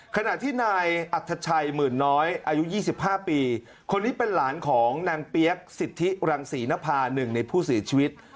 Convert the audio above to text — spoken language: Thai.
ขณะที่นายอัธชัยหมื่นน้อยอายุ๒๕ปีคนนี้เป็นหลานของนางเปี๊ยกสิทธิรังศรีนภา๑ในผู้เสียชีวิต